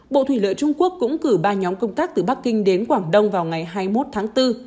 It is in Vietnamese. bộ thủy lợi trung quốc cũng cử ba nhóm công tác từ bắc kinh đến quảng đông vào ngày hai mươi một tháng bốn